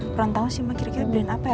kurang tahu sih ma kira kira dibeliin apa ya